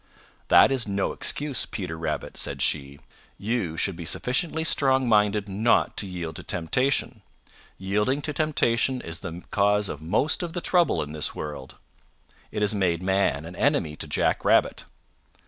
"That is no excuse, Peter Rabbit," said she. "You should be sufficiently strong minded not to yield to temptation. Yielding to temptation is the cause of most of the trouble in this world. It has made man an enemy to Jack Rabbit.